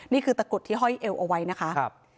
นี่คือตะกรุดที่ห้อยเอวเอาไว้นะคะ